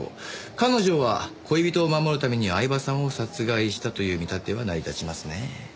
彼女は恋人を守るために饗庭さんを殺害したという見立ては成り立ちますね。